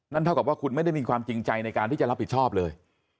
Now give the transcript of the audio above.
เท่ากับว่าคุณไม่ได้มีความจริงใจในการที่จะรับผิดชอบเลย